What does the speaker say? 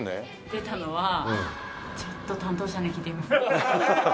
出たのはちょっと担当者に聞いてみますね。